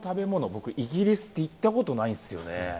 僕、イギリスって行ったことないんですよね。